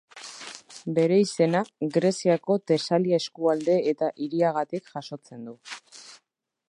Bere izena Greziako Tesalia eskualde eta hiriagatik jasotzen du.